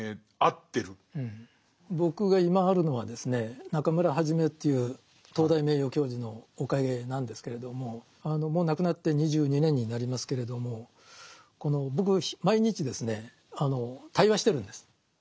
僕が今あるのはですね中村元という東大名誉教授のおかげなんですけれどももう亡くなって２２年になりますけれどもこの僕毎日ですね対話してるんです。